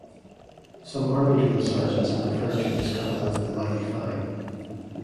Some Army drill sergeants have referred to this cut as the "Mighty Fine".